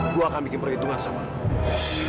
gue akan bikin perhitungan sama